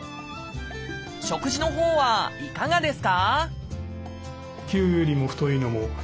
食事のほうはいかがですか？